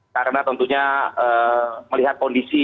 karena tentunya melihat kondisi